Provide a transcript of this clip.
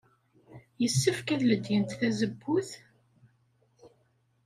Yessefk ad ledyent tazewwut?